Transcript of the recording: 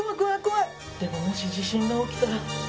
でももし地震が起きたら。